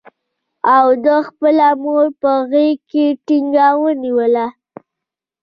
او ده خپله مور په غېږ کې ټینګه ونیوله.